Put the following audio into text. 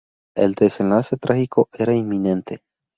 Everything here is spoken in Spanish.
El desenlace trágico era inminente.